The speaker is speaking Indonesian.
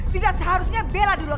tidak seharusnya bella dilukai